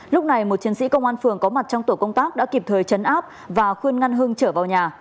lúc này một chiến sĩ công an phường có mặt trong tổ công tác đã kịp thời chấn áp và khuôn ngăn hưng trở vào nhà